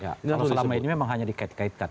kalau selama ini memang hanya dikait kaitkan